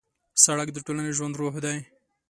سړک د ټولنې ژوندی روح دی.